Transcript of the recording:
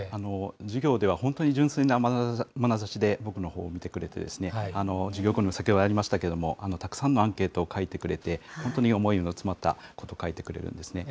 授業では本当に純粋なまなざしで僕のほうを見てくれて、授業後にも、先ほどありましたけれども、たくさんのアンケート書いてくれて、本当に思いの詰まったことを書いてくれるんですね。